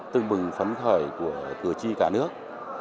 tương bừng phấn khởi của cử tri cả nước